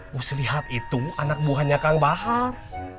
muslihat itu anak buahnya kang bahar